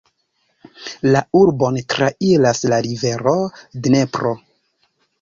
La urbon trairas la rivero Dnepro.